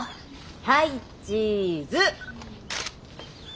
はいチーズ！